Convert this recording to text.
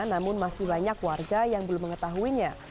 namun masih banyak warga yang belum mengetahuinya